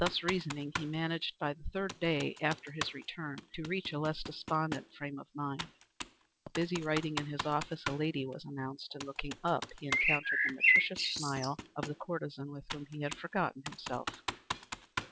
Thus reasoning, he managed by the third day after his return to reach a less despondent frame of mind. While busy writing in his office a lady was announced, and looking up he encountered the meretricious smile of the courtesan with whom he had forgotten himself.